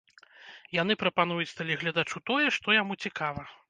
Яны прапануюць тэлегледачу тое, што яму цікава.